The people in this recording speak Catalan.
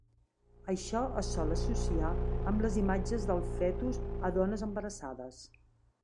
Això es sol associar amb les imatges del fetus a dones embarassades.